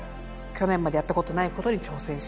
去年までやったことないことに挑戦しよう。